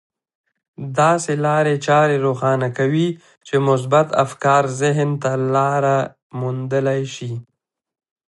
داسې لارې چارې روښانه کوي چې مثبت افکار ذهن ته لاره موندلای شي.